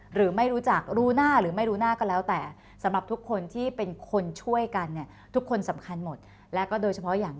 หรือไม่รู้จักรู้หน้าหรือไม่รู้หน้าก็แล้วแต่สำหรับทุกคนที่เป็นคนช่วยกันเนี่ยทุกคนสำคัญหมดแล้วก็โดยเฉพาะอย่าง